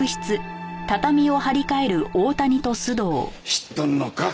知っとるのか？